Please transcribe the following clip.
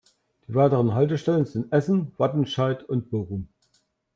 Die weiteren Haltestellen sind Essen, Wattenscheid und Bochum.